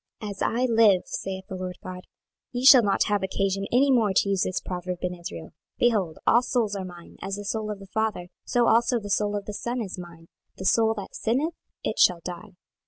26:018:003 As I live, saith the Lord GOD, ye shall not have occasion any more to use this proverb in Israel. 26:018:004 Behold, all souls are mine; as the soul of the father, so also the soul of the son is mine: the soul that sinneth, it shall die.